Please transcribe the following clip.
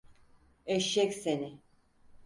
Eşşek seni…